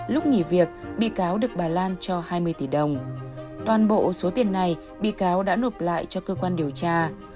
lúc nghỉ việc bị cáo được bà lan cho hai mươi tỷ đồng toàn bộ số tiền này bị cáo đã nộp lại cho cơ quan điều tra